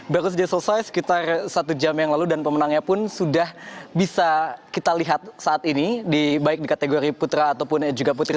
baru saja selesai sekitar satu jam yang lalu dan pemenangnya pun sudah bisa kita lihat saat ini baik di kategori putra ataupun juga putri